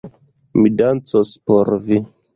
Mi dancos por vi.